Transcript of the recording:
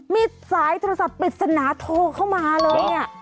มีสายโทรศัพท์ปริศนาโทรเข้ามาเลย